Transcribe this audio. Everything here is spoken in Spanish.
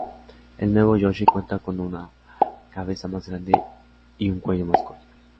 El "nuevo" Yoshi cuenta con una cabeza más grande y un cuello más corto.